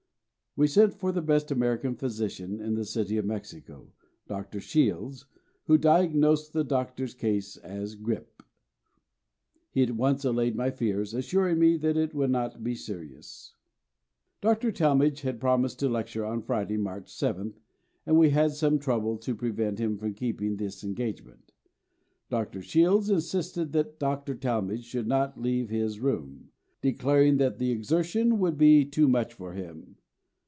We sent for the best American physician in the city of Mexico, Dr. Shields, who diagnosed the Doctor's case as grippe. He at once allayed my fears, assuring me that it would not be serious. Dr. Talmage had promised to lecture on Friday, March 7th, and we had some trouble to prevent him from keeping this engagement. Dr. Shields insisted that Dr. Talmage should not leave his room, declaring that the exertion would be too much for him.